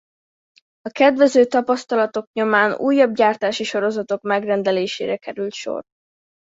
A kedvező tapasztalatok nyomán újabb gyártási sorozatok megrendelésére került sor.